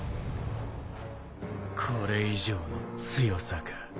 これ以上の強さか。